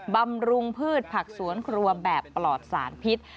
บำรุงพืชผักสวนครัวแบบปลอดสารพิษ